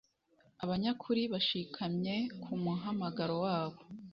Abanyakuri bashikamye ku muhamagaro wabo